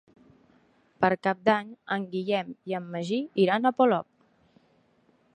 Per Cap d'Any en Guillem i en Magí iran a Polop.